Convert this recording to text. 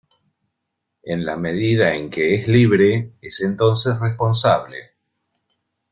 En la medida en que es libre es entonces responsable.